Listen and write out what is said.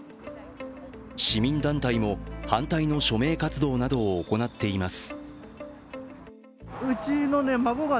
市民団体も反対の署名活動などを行っています。